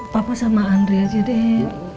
papa sama andrea aja deh